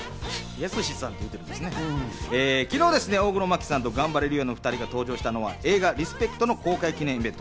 昨日、大黒摩季さんとガンバレルーヤのお２人が登場したのは映画『リスペクト』の公開記念イベント。